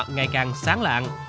ngày càng sáng lạng